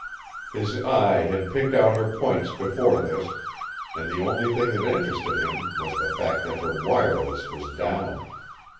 His eye had picked out her points before this, and the only thing that interested him was the fact that her wireless was down.